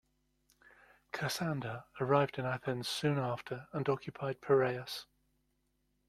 Cassander arrived in Athens soon after and occupied Piraeus.